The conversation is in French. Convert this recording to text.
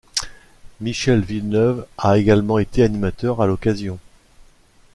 Michel Villeneuve a également été animateur à l'occasion.